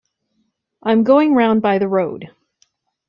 I’m going round by the road.